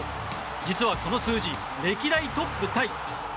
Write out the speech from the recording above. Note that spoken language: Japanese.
実はこの数字、歴代トップタイ。